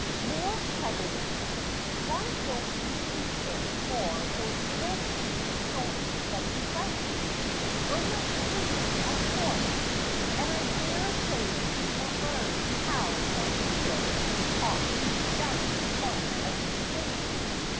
"More cleverness ! Why don't you keep it for those little penny stories that you write? Irma's pretty, of course, and I dare say she will learn >how her hair ought to be done one of these days.